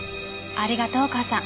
ありがとう母さん。